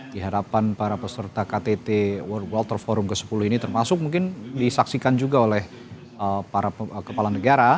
di hadapan para peserta ktt world walter forum ke sepuluh ini termasuk mungkin disaksikan juga oleh para kepala negara